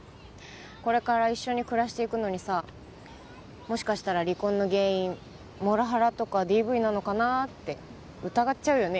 これから一緒に暮らしていくのにさもしかしたら離婚の原因モラハラとかＤＶなのかなって疑っちゃうよね